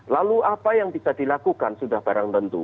lalu apa yang bisa dilakukan sudah barang tentu